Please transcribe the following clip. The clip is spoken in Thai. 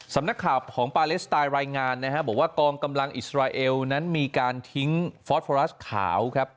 สำนักข่าวของปาเลสไตน์รายงานนะฮะบอกว่ากองกำลังอิสราเอลนั้นมีการทิ้งฟอสฟอรัสขาวครับ